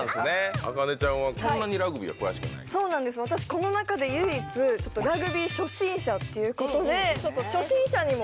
この中で唯一、ラグビー初心者ということで、初心者にも